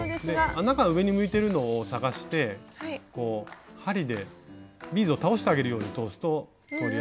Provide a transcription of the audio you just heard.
穴が上に向いてるのを探して針でビーズを倒してあげるように通すと通りやすいです。